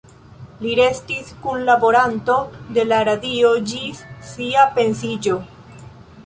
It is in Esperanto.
Li restis kunlaboranto de la radio ĝis sia pensiiĝo.